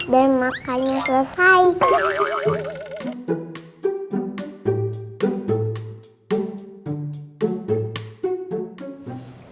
dan makannya selesai